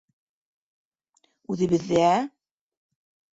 Үҙебеҙҙә...